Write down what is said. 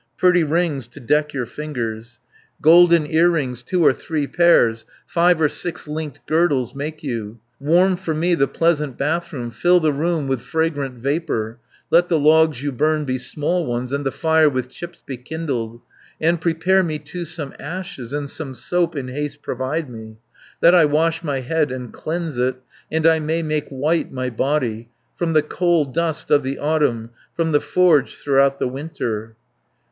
Pretty rings to deck your fingers, Golden earrings, two or three pairs, Five or six linked girdles make you. Warm for me the pleasant bathroom, Fill the room with fragrant vapour, Let the logs you burn be small ones, And the fire with chips be kindled, 280 And prepare me too some ashes, And some soap in haste provide me, That I wash my head and cleanse it, And I may make white my body From the coal dust of the autumn, From the forge throughout the winter."